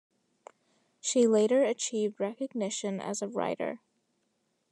She later achieved recognition as a writer.